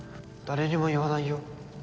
誰にも言わないよ。